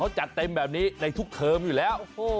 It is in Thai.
จัดเต็มแบบนี้ในทุกเทอมอยู่แล้ว